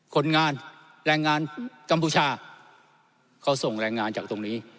คนงานแรงงานกัมพูชาเขาส่งแรงงานจากตรงนี้